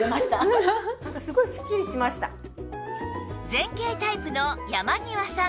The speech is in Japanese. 前傾タイプの山庭さん